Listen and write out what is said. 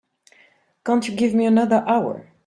Can't you give me another hour?